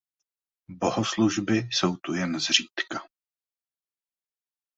Bohoslužby jsou tu jen zřídka.